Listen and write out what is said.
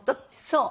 そう。